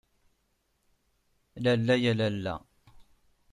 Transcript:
Lalla ya lalla.